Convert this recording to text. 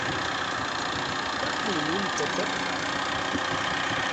¿Katli nin tototl?